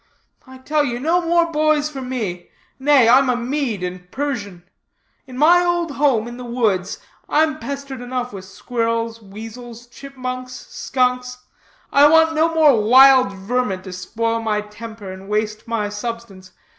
I tell you no more boys for me. Nay, I'm a Mede and Persian. In my old home in the woods I'm pestered enough with squirrels, weasels, chipmunks, skunks. I want no more wild vermin to spoil my temper and waste my substance.